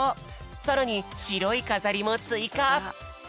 さらにしろいかざりもついか。